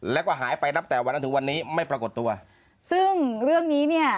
แล้วก็หายไปนับแต่วันนั้นถึงวันนี้ไม่ปรากฏตัวซึ่งเรื่องนี้เนี่ย